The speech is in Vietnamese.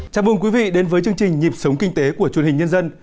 chào mừng quý vị đến với chương trình nhịp sống kinh tế của truyền hình nhân dân